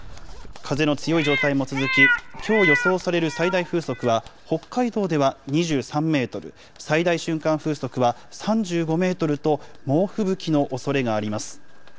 風の強い状態も続き、きょう予想される最大風速は、北海道では２３メートル、最大瞬間風速は３５メートルと、猛吹雪のおそれがあります。